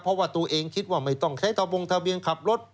เพราะว่าตัวเองคิดว่าไม่ต้องใช้ทะบงทะเบียนขับรถ